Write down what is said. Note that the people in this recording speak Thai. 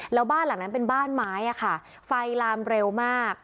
แล้วบ้านหลังนั้นเป็นบ้านไม้ค่ะไฟลามเร็วมาก